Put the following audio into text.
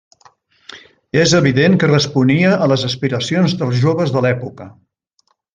És evident que responia a les aspiracions dels joves de l'època.